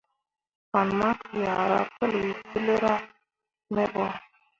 Fan maki ah ra pəli filra me ɓo.